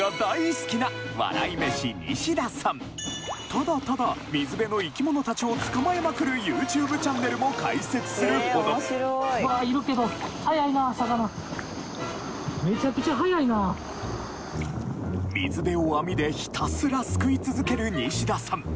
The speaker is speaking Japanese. ただただ水辺の生き物たちを捕まえまくるＹｏｕＴｕｂｅチャンネルも開設するほど水辺を網でひたすらすくい続ける西田さん